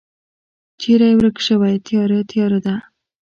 چیری ورک شوی تیاره، تیاره ده